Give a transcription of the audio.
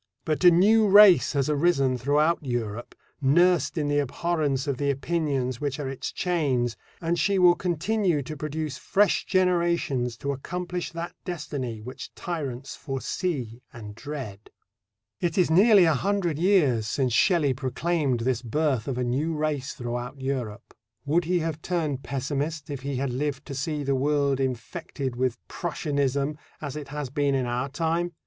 But a new race has arisen throughout Europe, nursed in the abhorrence of the opinions which are its chains, and she will continue to produce fresh generations to accomplish that destiny which tyrants foresee and dread. It is nearly a hundred years since Shelley proclaimed this birth of a new race throughout Europe. Would he have turned pessimist if he had lived to see the world infected with Prussianism as it has been in our time?